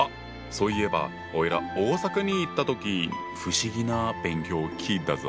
そういえばおいら大阪に行った時不思議な「勉強」を聞いたぞ！